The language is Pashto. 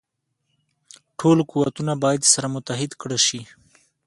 ټول قوتونه باید سره متحد کړه شي.